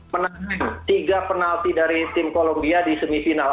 menang tiga penalti dari tim kolombia di semifinal